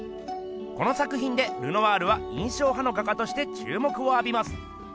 この作ひんでルノワールは印象派の画家としてちゅうもくをあびます。